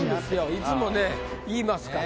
いつもね言いますから。